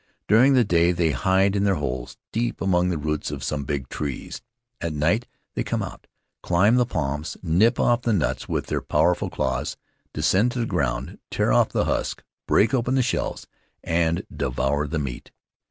During the day they hide in their holes, deep among the roots of some big trees; at night they come out, climb the palms, nip off the nuts with their powerful claws, descend to the ground, tear off the husks, break open the shells, and devour the meat.